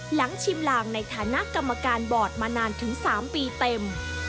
ชิมลางในฐานะกรรมการบอร์ดมานานถึง๓ปีเต็ม